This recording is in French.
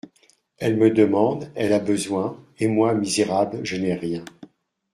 Elle me demande, elle a besoin ! et moi, misérable, je n'ai rien.